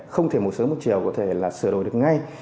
không thể một sớm một chiều có thể là sửa đổi được ngay